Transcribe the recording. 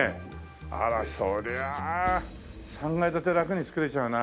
あらそりゃあ３階建てラクに作れちゃうな。